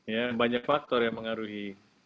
ya banyak faktor yang mengaruhi